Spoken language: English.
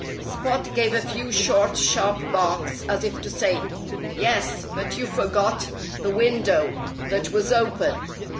Spot gave a few short, sharp barks, as if to say, "Yes! But you forgot the window that was open."